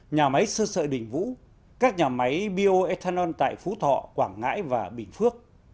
nhà máy sơ sợi đình vũ các nhà máy bio ethanol tại phú thọ quảng ngãi và bình phước